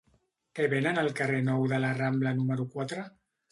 Què venen al carrer Nou de la Rambla número quatre?